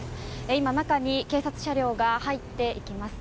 今、中に警察車両が入っていきます。